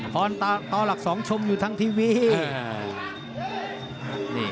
พ้อนต่อหลักสองชมอยู่ทั้งทีวี